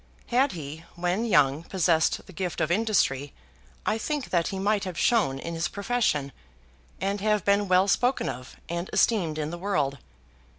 Had he when young possessed the gift of industry I think that he might have shone in his profession, and have been well spoken of and esteemed in the world.